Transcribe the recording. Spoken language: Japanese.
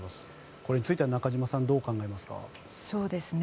これについては中島さんどう考えますか？